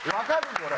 これ。